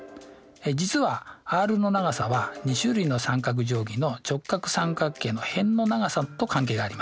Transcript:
実はｒの長さは２種類の三角定規の直角三角形の辺の長さと関係があります。